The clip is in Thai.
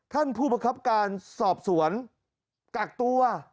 ท่านผู้ประคับการสอบสวนกักตัว